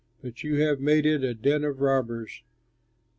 But you have made it a den of robbers!"